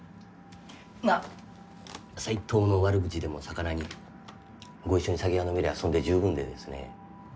まあ斎藤の悪口でもさかなにご一緒に酒が飲めりゃそんで十分でですね。